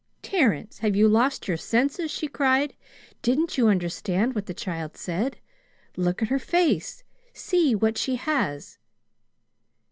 "Terence! Have you lost your senses?" she cried. "Didn't you understand what the child said? Look at her face! See what she has!"